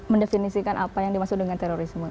mendefinisikan apa yang dimaksud dengan terorisme